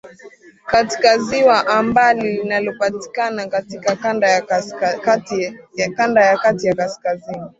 katika Ziwa Ambali linalopatikana katika Kanda ya Kati ya Kaskazini